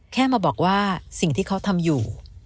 แค่มาบอกว่าสิ่งที่เขาทำอยู่